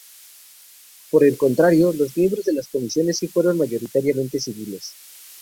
Por el contrario, los miembros de las comisiones sí fueron mayoritariamente civiles.